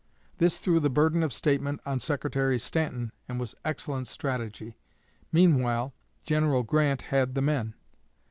This threw the burden of statement on Secretary Stanton, and was excellent strategy. Meanwhile, General Grant had the men.